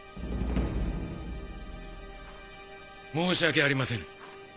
申し訳ありませぬ。